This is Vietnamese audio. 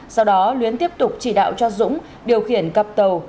sau đó luyến tiếp tục chỉ đạo cho dũng điều khiển cặp tàu